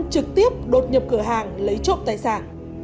trực tiếp đột nhập cửa hàng lấy trộm tài sản